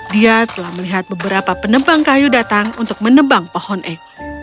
dia telah melihat beberapa penebang kayu datang untuk menebang pohon ek